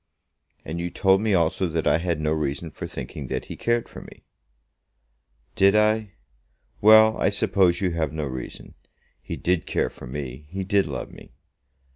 "And you told me also that I had no reason for thinking that he cared for me." "Did I? Well; I suppose you have no reason. He did care for me. He did love me."